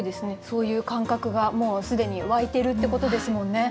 そういう感覚がもうすでに湧いてるってことですもんね。